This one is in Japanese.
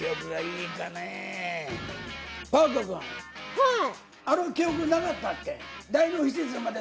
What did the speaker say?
はい！